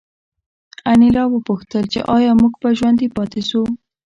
انیلا وپوښتل چې ایا موږ به ژوندي پاتې شو